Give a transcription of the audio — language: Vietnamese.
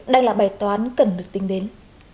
đang là bài toán cần được tin đến